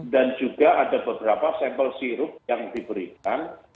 dan juga ada beberapa sampel sirup yang diberikan